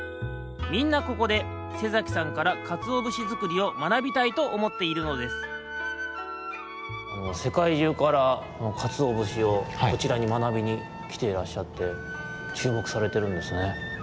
みんなここで瀬崎さんからかつおぶしづくりをまなびたいとおもっているのですせかいじゅうからかつおぶしをこちらにまなびにきてらっしゃってちゅうもくされてるんですね。